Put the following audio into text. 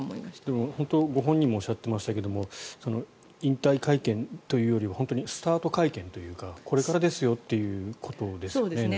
でも本当にご本人もおっしゃっていましたが引退会見というよりはスタート会見というかこれからですよということですよね。